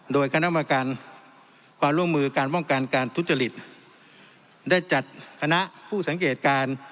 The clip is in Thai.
โดยคณะกรรมการความร่วมมือการป้องกันการทุจริตได้จัดคณะผู้สังเกตการ